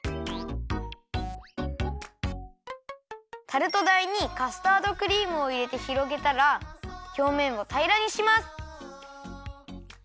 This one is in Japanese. タルト台にカスタードクリームをいれてひろげたらひょうめんをたいらにします。